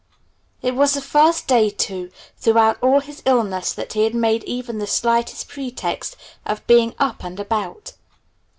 It was the first day, too, throughout all his illness that he had made even the slightest pretext of being up and about.